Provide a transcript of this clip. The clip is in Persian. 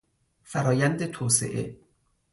فرآیند توسعه